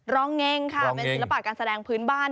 รองเงงค่ะเป็นศิลปะการแสดงพื้นบ้าน